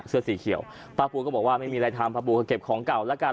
เสื้อสีเขียวป้าปูก็บอกว่าไม่มีอะไรทำป้าปูก็เก็บของเก่าแล้วกัน